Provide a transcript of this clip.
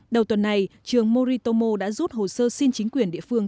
đầu tuần này trường moritomo đã rút hồ sơ xin chính quyền địa phương